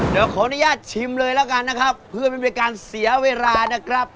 เดี๋ยวขออนุญาตชิมเลยแล้วกันนะครับเพื่อไม่มีการเสียเวลานะครับ